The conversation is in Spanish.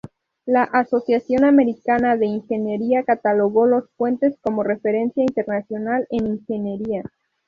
La Asociación Americana de Ingeniería catalogó los puentes como referencia internacional en ingeniería.